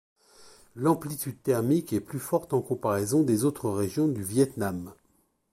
L'amplitude thermique est plus forte en comparaison des autres régions du Viêt Nam.